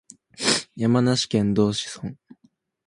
山梨県道志村